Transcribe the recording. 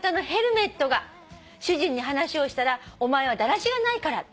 「主人に話をしたら『お前はだらしがないから』」